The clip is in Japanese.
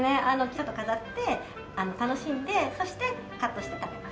ちょっと飾って楽しんでそしてカットして食べます。